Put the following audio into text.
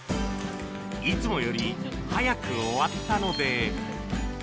いつもより早く終わったので。